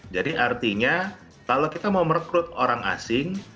jadi artinya kalau kita mau merekrut orang asing